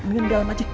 udah ke dalam aja